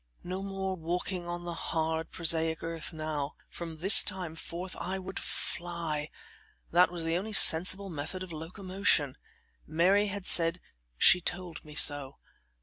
No more walking on the hard, prosaic earth now; from this time forth I would fly; that was the only sensible method of locomotion. Mary had said: "She told me so."